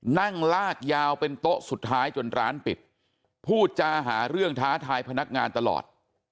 นั่งลากยาวเป็นโต๊ะสุดท้ายจนร้านปิดพูดจาหาเรื่องท้าทายพนักงานตลอด